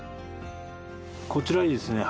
こちらにですね